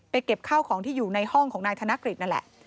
เก็บข้าวของที่อยู่ในห้องของนายธนกฤษนั่นแหละ